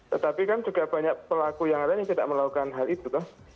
tetapi kan juga banyak pelaku yang lain yang tidak melakukan hal itu kan